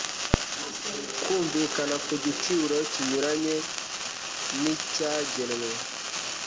kumvikana ku giciro kinyuranye n'icyagenwe